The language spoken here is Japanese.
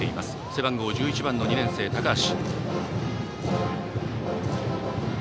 背番号１１番の２年生、高橋。